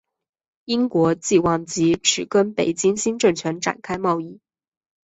英国冀望藉此跟北京新政权展开贸易。